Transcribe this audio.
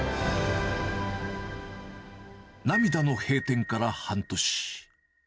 涙の閉店から半年。